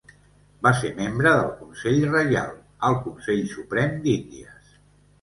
Va ser membre del consell reial, al Consell Suprem d'Índies.